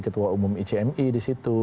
ketua umum icmi di situ